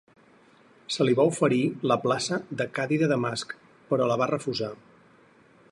Se li va oferir la plaça de cadi de Damasc però la va refusar.